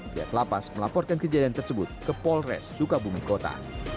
pihak lapas melaporkan kejadian tersebut ke polres sukabumi kota